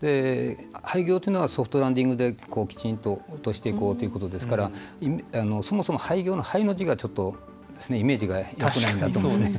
廃業というのはソフトランディングできちんと落としていこうということですからそもそも廃業の「廃」の字がちょっと、イメージがよくないなと思いますね。